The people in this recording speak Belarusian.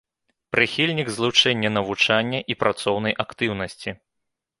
Прыхільнік злучэння навучання і працоўнай актыўнасці.